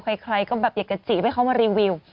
ใครก็แบบอยากจะจีบให้เขามารีวิว